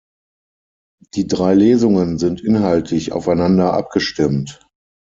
Die drei Lesungen sind inhaltlich auf einander abgestimmt.